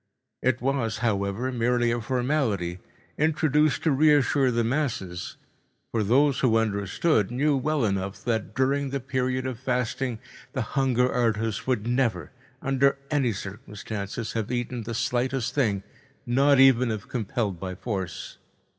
It was, however, merely a formality, introduced to reassure the masses, for those who understood knew well enough that during the period of fasting the hunger artist would never, under any circumstances, have eaten the slightest thing, not even if compelled by force.